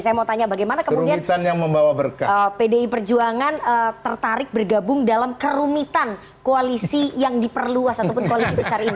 saya mau tanya bagaimana kemudian yang membawa pdi perjuangan tertarik bergabung dalam kerumitan koalisi yang diperluas ataupun koalisi besar ini